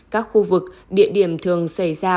các khu vực địa điểm thường xảy ra